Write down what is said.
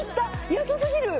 安すぎる！